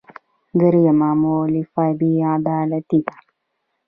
درېیمه مولفه بې عدالتي ده.